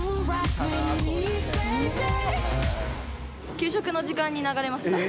給食の時間に流れました。